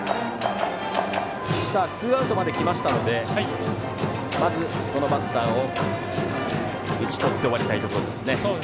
ツーアウトまできましたのでまず、このバッターを打ち取って終わりたいところ。